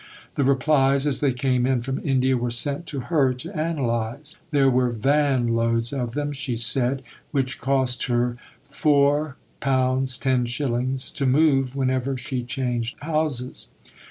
The replies, as they came in from India, were sent to her to analyse. There were van loads of them, she said, which cost her £4:10s. to move whenever she changed houses.